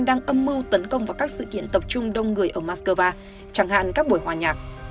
đang âm mưu tấn công vào các sự kiện tập trung đông người ở moscow chẳng hạn các buổi hòa nhạc